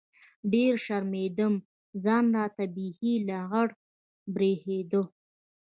ډېر شرمېدم ځان راته بيخي لغړ بريښېده.